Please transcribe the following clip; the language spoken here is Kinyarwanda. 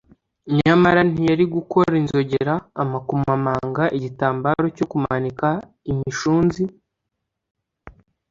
Nyamara ntiyari gukora inzogera, amakomamanga, igitambaro cyo kumanika, imishunzi,